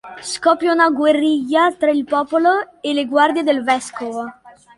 Scoppia una guerriglia tra il popolo e le guardie del vescovo.